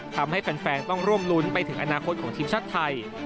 ทำให้แฟนต้องร่วมรุ้นไปถึงอนาคตของทีมชาติไทย